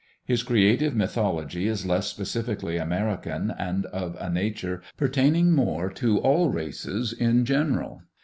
His creative mythology is less specifically American and of a nature pertaining more to all races in general.